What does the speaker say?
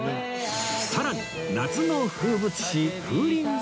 さらに夏の風物詩風鈴作りでは